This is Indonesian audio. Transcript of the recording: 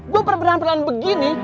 gue perberantilan begini